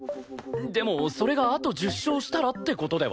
でもそれがあと１０勝したらって事では？